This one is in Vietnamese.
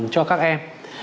cho các em